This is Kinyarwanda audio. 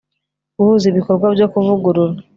guhuza ibikorwa byo kuvugurura